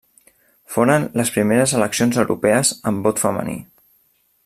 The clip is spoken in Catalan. Foren les primeres eleccions europees amb vot femení.